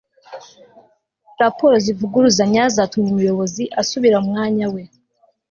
raporo zivuguruzanya zatumye umuyobozi asubiramo umwanya we. (papabear